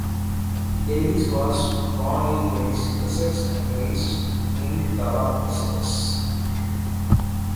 Davis was born in Grays, Essex, and raised in Thurrock, Essex.